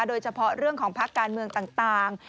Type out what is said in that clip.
โดยเฉพาะเรื่องของพักการเมืองต่าง